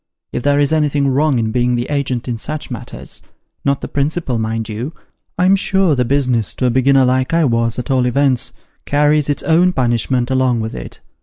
If there is anything wrong in being the agent in such matters not the principal, mind you I'm sure the business, to a beginner like I was, at all events, carries its own punishment along with it.